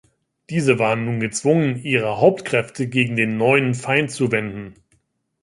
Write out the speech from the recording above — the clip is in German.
Diese waren nun gezwungen ihre Hauptkräfte gegen den neuen Feind zu wenden.